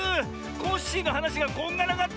コッシーのはなしがこんがらがってて。